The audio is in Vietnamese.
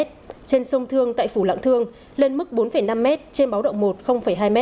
trên sông thương tại phủ lãng thương lên mức bốn năm m trên báo động một hai m